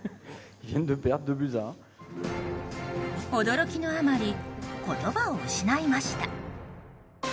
驚きのあまり言葉を失いました。